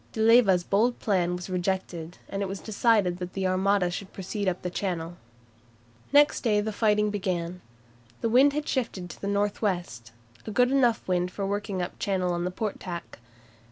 De Leyva's bold plan was rejected, and it was decided that the Armada should proceed up Channel. [Illustration: VOYAGE OF THE ARMADA 1588] Next day the fighting began. The wind had shifted to the north west, a good enough wind for working up Channel on the port tack.